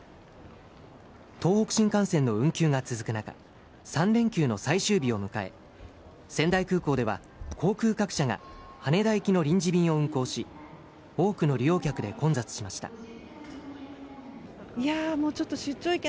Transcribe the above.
東北新幹線の運休が続く中、３連休の最終日を迎え、仙台空港では航空各社が羽田行きの臨時便を運航し、多くの利用客で混雑しました。